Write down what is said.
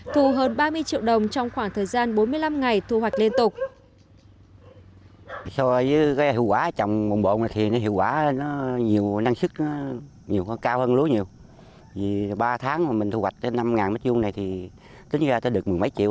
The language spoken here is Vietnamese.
thu hơn ba mươi triệu đồng trong khoảng thời gian bốn mươi năm ngày thu hoạch liên tục